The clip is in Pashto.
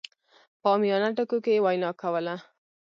په عاميانه ټکو کې يې وينا کوله.